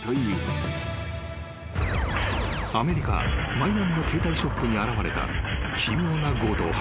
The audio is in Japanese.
［アメリカマイアミの携帯ショップに現れた奇妙な強盗犯］